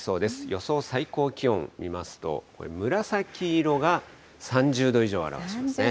予想最高気温見ますと、これ、紫色が３０度以上を表しますね。